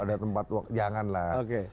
ada tempat jangan lah